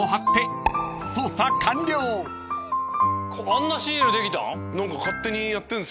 あんなシールできたん？